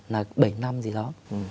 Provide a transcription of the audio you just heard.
là bảy năm gì đó